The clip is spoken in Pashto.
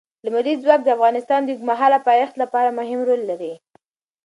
لمریز ځواک د افغانستان د اوږدمهاله پایښت لپاره مهم رول لري.